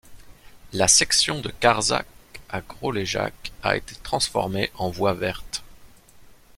La section de Carsac à Groléjac a été transformée en voie verte.